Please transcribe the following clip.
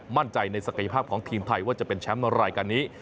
มั่นใจในศักยภาพของทีมไทยว่าจะเป็นแชมป์รายการนี้